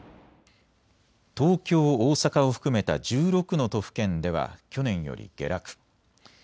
東京、大阪を含めた１６の都府県では去年より下落。